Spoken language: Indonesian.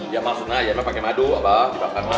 ya maksudnya ayamnya pakai madu abah dibakar